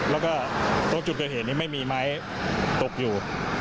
แล้วก็รถจุดเกิดเหตุนี้ไม่มีไม้ตกอยู่